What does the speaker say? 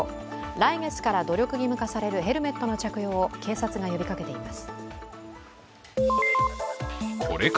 来月から努力義務化されるヘルメットの着用を警察が呼びかけています。